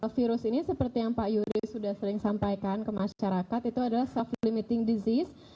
virus ini seperti yang pak yuri sudah sering sampaikan ke masyarakat itu adalah soft limiting disease